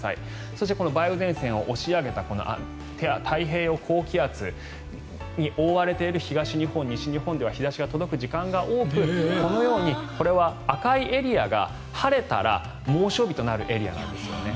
そして、この梅雨前線を押し上げた太平洋高気圧に覆われている東日本、西日本では日差しが届く時間が多くこのようにこれは赤いエリアが晴れたら猛暑日となるエリアなんですね。